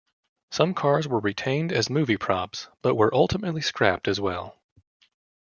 Some cars were retained as movie props, but were ultimately scrapped as well.